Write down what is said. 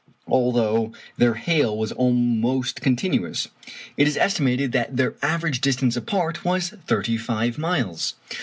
Although their hail was almost continuous, it is estimated that their average distance apart was thirty five miles!